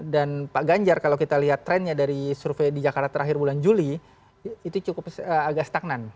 dan pak ganjar kalau kita lihat trendnya dari survei di jakarta terakhir bulan juli itu cukup agak stagnan